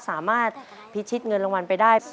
สามารถพิชิตเงินรางวัลไปได้